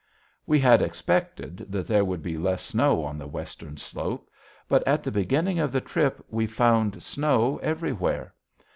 We had expected that there would be less snow on the western slope, but at the beginning of the trip we found snow everywhere.